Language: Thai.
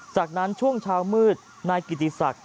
จากนั้นช่วงเช้ามืดนายกิติศักดิ์